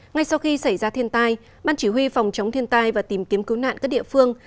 ngay sau khi xảy ra thiên tai ban chỉ huy phòng chống thiên tai và tìm kiếm cứu nạn các địa phương